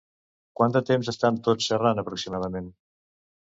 Quant de temps estan tots xerrant aproximadament?